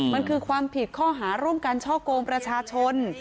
มันคือความผิดข้อหาร่วมกันช่อกงประชาชน